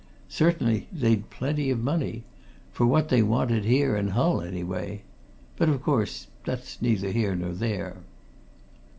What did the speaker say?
Certainly they'd plenty of money for what they wanted here in Hull, anyway. But of course, that's neither here nor there."